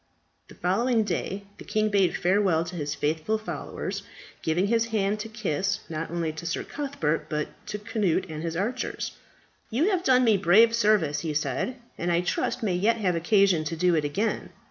The following day the king bade farewell to his faithful followers, giving his hand to kiss, not only to Sir Cuthbert, but to Cnut and his archers. "You have done me brave service," he said, "and I trust may yet have occasion to do it again.